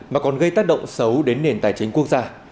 mà còn gây tác động xấu đến nền tài chính quốc gia